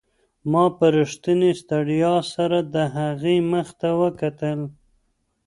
ما په رښتینې ستړیا سره د هغې مخ ته وکتل.